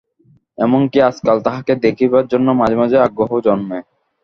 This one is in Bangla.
এমনকি, আজকাল তাহাকে দেখিবার জন্য মাঝে মাঝে আগ্রহও জন্মে।